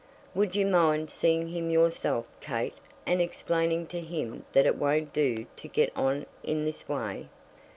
"Would you mind seeing him yourself, Kate, and explaining to him that it won't do to get on in this way.